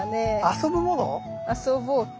遊ぼうか。